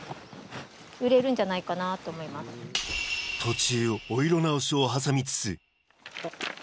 途中お色直しを挟みつつ何ですか？